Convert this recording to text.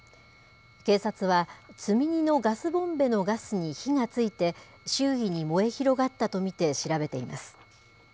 警察は積み荷のガスボンベのガスに火がついて、周囲に燃え広がったと見て調べています。